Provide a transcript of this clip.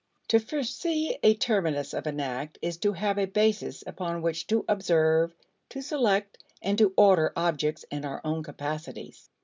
To foresee a terminus of an act is to have a basis upon which to observe, to select, and to order objects and our own capacities.